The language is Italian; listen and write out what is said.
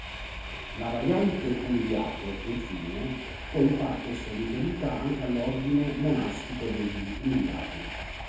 La variante Umiliato, infine, può in parte essere riferita anche all'ordine monastico degli umiliati.